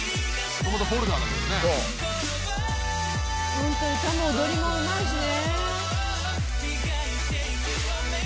「ホント歌も踊りもうまいしね」